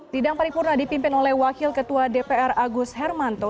sidang paripurna dipimpin oleh wakil ketua dpr agus hermanto